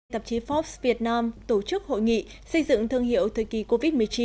tạp chí forbes việt nam tổ chức hội nghị xây dựng thương hiệu thời kỳ covid một mươi chín